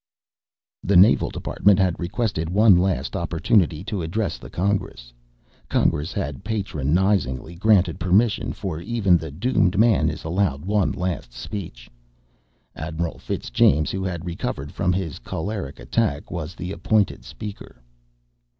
The Naval Department had requested one last opportunity to address the Congress. Congress had patronizingly granted permission, for even the doomed man is allowed one last speech. Admiral Fitzjames, who had recovered from his choleric attack, was the appointed speaker.